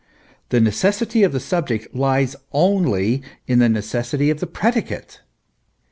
The necessity of the subject lies only in the necessity of the predi cate.